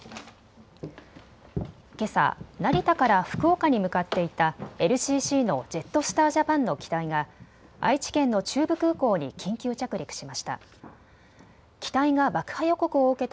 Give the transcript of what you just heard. けさ成田から福岡に向かっていたＬＣＣのジェットスター・ジャパンの機体が愛知県の中部空港に緊急着陸しました。